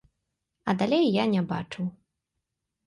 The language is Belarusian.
А далей я не бачыў.